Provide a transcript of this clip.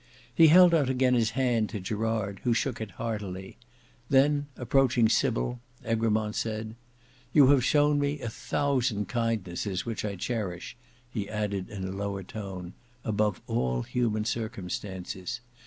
He held out again his hand to Gerard who shook it heartily: then approaching Sybil, Egremont said, "you have shewn me a thousand kindnesses, which I cherish," he added in a lower tone, "above all human circumstances.